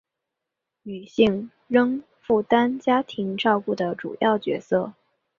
女性仍负担家庭照顾的主要角色